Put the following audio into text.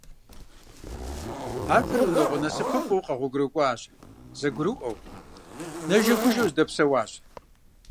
Ахэр унагъуэ насыпыфӏэу къэгъуэгурыкӏуащ, зэгурыӏуэу, нэжэгужэу зэдэпсэуащ.